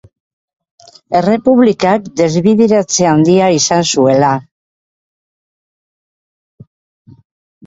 Errepublikak desbideratze handia izan zuela.